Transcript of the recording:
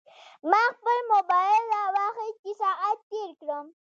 ما خپل موبایل راواخیست چې ساعت تېر کړم.